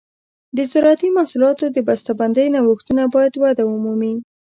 د زراعتي محصولاتو د بسته بندۍ نوښتونه باید وده ومومي.